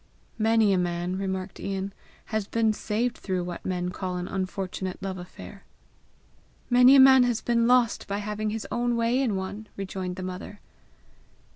"Many a man," remarked Ian, "has been saved through what men call an unfortunate love affair!" "Many a man has been lost by having his own way in one!" rejoined the mother.